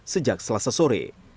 sejak selasa sore